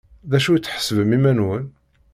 D acu i tḥesbem iman-nwen?